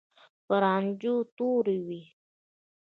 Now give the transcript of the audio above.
په رانجو تورې وې.